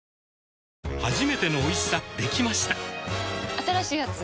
新しいやつ？